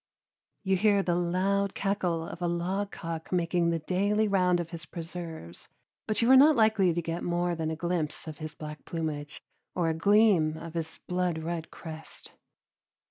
You hear the loud cackle of a logcock making the daily round of his preserves, but you are not likely to get more than a glimpse of his black plumage or a gleam of his blood red crest.